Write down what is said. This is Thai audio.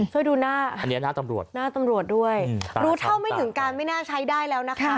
ช่วยดูหน้าอันนี้หน้าตำรวจหน้าตำรวจด้วยรู้เท่าไม่ถึงการไม่น่าใช้ได้แล้วนะคะ